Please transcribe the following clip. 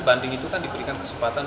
banding itu kan diberikan kesempatan